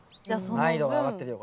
難易度が上がってるよ